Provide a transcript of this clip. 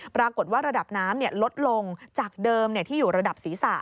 ปรากฏว่าระดับน้ำลดลงจากเดิมที่อยู่ระดับศีรษะ